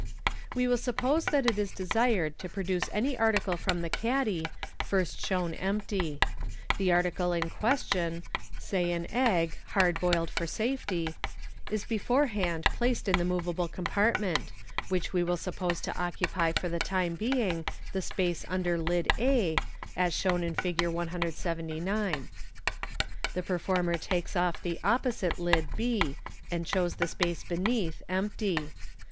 We will suppose that it is desired to produce any article from the caddy, first shown empty. The article in ques tion (say an egg, hard boiled for safety) is beforehand placed in the moveable compartment, which we will suppose to occu py for the time being the space under lid a, as shown in Fig. Fig. 178. 179. The performer takes orF the opposite lid b, and shows the space b3neath empty.